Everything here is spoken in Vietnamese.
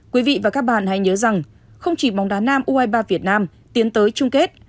quý vị và các bạn hãy nhớ rằng không chỉ bóng đá nam u hai mươi ba việt nam tiến tới chung kết